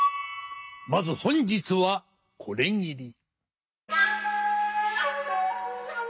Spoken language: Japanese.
まず本日はこれぎり。